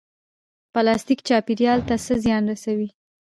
پلاستیک چاپیریال ته څه زیان رسوي؟